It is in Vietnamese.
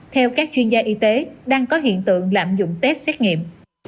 theo các chuyên gia y tế đang có hiện tượng lạm dụng test xét nghiệm